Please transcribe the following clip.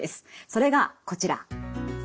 それがこちら。